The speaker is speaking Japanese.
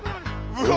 うわ！